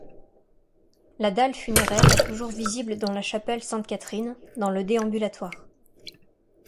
La dalle funéraire est toujours visible dans la chapelle Sainte-Catherine, dans le déambulatoire.